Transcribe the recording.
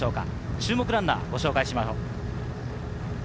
注目ランナーをご紹介します。